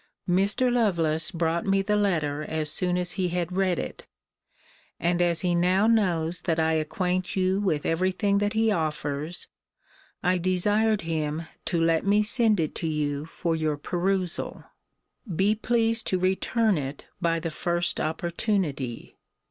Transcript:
Mr. Lovelace brought me the letter as soon as he had read it: and as he now knows that I acquaint you with every thing that he offers, I desired him to let me send it to you for your perusal. Be pleased to return it by the first opportunity.